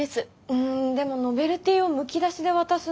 うんでもノベルティをむき出しで渡すのは。